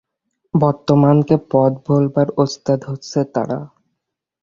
বর্তমানকে পথ ভোলাবার ওস্তাদ হচ্ছে তারা।